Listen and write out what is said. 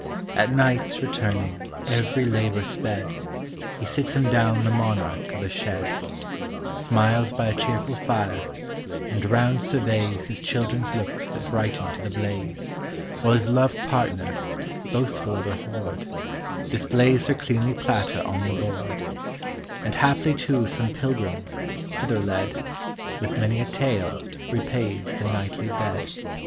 At night returning, every labor sped, He sits him down the monarch of a shed; Smiles by a cheerful fire, and round surveys His children's looks that brighten to the blaze, While his loved partner, boastful of her hoard, Displays her cleanly platter on the board; And haply too some pilgrim, thither led, With many a tale repays the nightly bed.